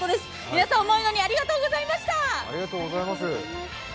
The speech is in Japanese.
皆さん、重いのにありがとうございました。